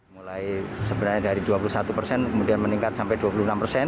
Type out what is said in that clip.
mulai sebenarnya dari dua puluh satu persen kemudian meningkat sampai dua puluh enam persen